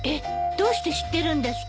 どうして知ってるんですか？